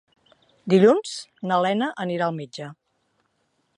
Dilluns na Lena anirà al metge.